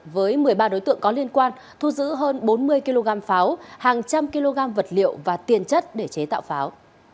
với một mươi ba đối tượng có liên quan thu giữ hơn bốn mươi kg pháo hàng trăm kg vật liệu và tiền chất để chế tạo pháo